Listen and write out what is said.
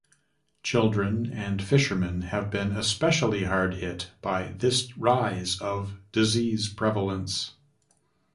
Children and fishermen have been especially hard hit by this rise of disease prevalence.